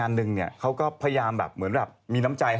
แล้วมีความดังด้วยหรือเปล่า